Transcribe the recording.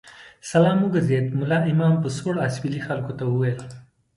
سلام وګرځېد، ملا امام په سوړ اسوېلي خلکو ته وویل.